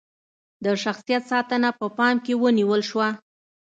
د شخصیت ساتنه په پام کې ونیول شوه.